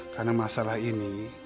karena masalah ini